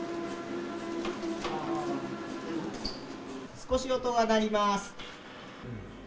少し音が鳴ります。